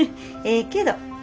ええけど。